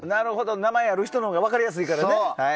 名前ある人のほうが分かりやすいからね。